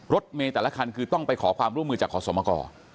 รถเมย์แต่ละคันคือต้องไปขอความร่วมมือจากขอสมกร